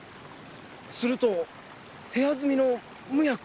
すると部屋住みの無役？